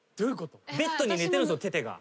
ベッドに寝てるテテが。